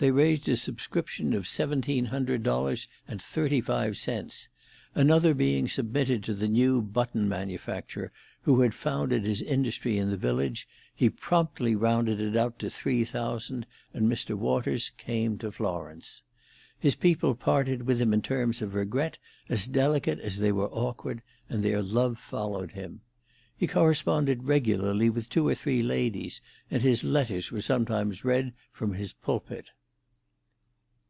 They raised a subscription of seventeen hundred dollars and thirty five cents; another being submitted to the new button manufacturer, who had founded his industry in the village, he promptly rounded it out to three thousand, and Mr. Waters came to Florence. His people parted with him in terms of regret as delicate as they were awkward, and their love followed him. He corresponded regularly with two or three ladies, and his letters were sometimes read from his pulpit.